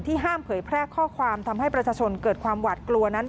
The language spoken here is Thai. ห้ามเผยแพร่ข้อความทำให้ประชาชนเกิดความหวาดกลัวนั้น